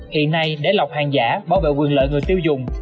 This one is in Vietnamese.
hiện nay để lọc hàng giả bảo vệ quyền lợi người tiêu dùng